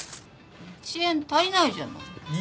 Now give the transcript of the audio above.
１円足りないじゃない。